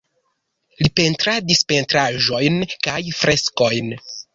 Li pentradis pentraĵojn kaj freskojn.